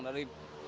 terus bisnya berput